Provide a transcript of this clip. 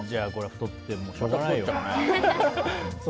じゃあこれ太ってもしょうがないよ。